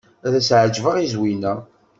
Ad as-ɛejbeɣ i Zwina.